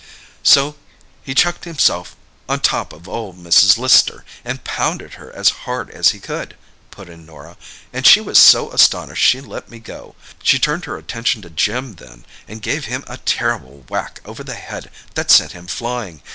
"So he chucked himself on top of old Mrs. Lister, and pounded her as hard as he could," put in Norah, "and she was so astonished she let me go. She turned her attention to Jim then, and gave him a terrible whack over the head that sent him flying.